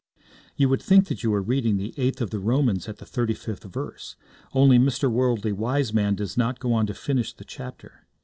You would think that you were reading the eighth of the Romans at the thirty fifth verse; only Mr. Worldly Wiseman does not go on to finish the chapter.